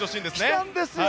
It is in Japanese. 来たんですよ！